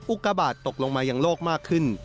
อุกาบาทตกลงมายังโลกมากขึ้น